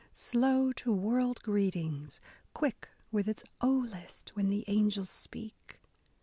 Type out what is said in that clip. . Slow to world greetings .., quick with its *Oh, list,' When the angels speak.